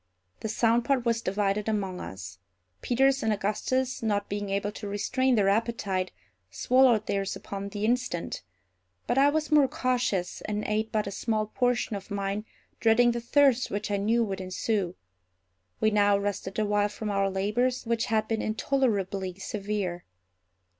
The sound part was divided among us. Peters and Augustus, not being able to restrain their appetite, swallowed theirs upon the instant; but I was more cautious, and ate but a small portion of mine, dreading the thirst which I knew would ensue. We now rested a while from our labors, which had been intolerably severe.